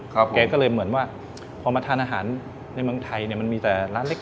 แกก็เลยเหมือนว่าพอมาทานอาหารในเมืองไทยเนี่ยมันมีแต่ร้านเล็ก